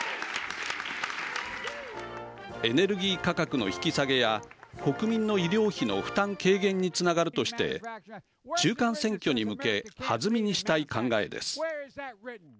エネルギー価格の引き下げや国民の医療費の負担軽減につながるとして中間選挙に向け弾みにしたい考えです。